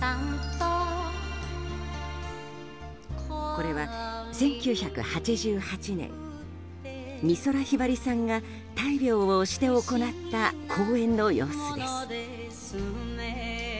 これは、１９８８年美空ひばりさんが大病を押して行った公演の様子です。